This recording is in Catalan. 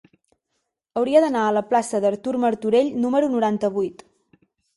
Hauria d'anar a la plaça d'Artur Martorell número noranta-vuit.